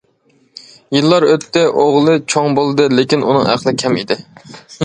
يىللار ئۆتتى، ئوغلى چوڭ بولدى، لېكىن ئۇنىڭ ئەقلى كەم ئىدى.